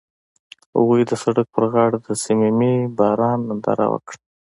هغوی د سړک پر غاړه د صمیمي باران ننداره وکړه.